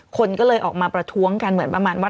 คนก็เลยออกมาประท้วงกันเหมือนประมาณว่า